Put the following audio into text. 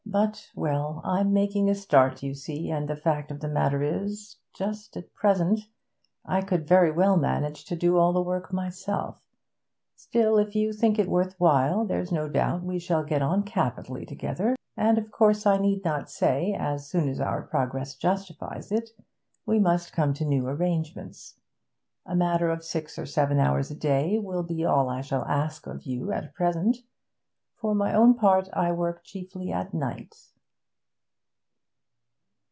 But well, I'm making a start, you see, and the fact of the matter is that, just at present, I could very well manage to do all the work myself. Still, if you think it worth your while, there's no doubt we shall get on capitally together, and, of course, I need not say, as soon as our progress justifies it, we must come to new arrangements. A matter of six or seven hours a day will be all I shall ask of you at present. For my own part, I work chiefly at night.'